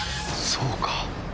そうか！